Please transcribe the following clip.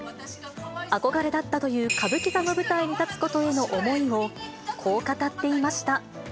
憧れだったという歌舞伎座の舞台に立つことへの思いを、こう語っていました。